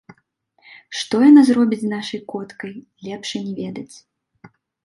Што яна зробіць з нашай коткай, лепш і не ведаць.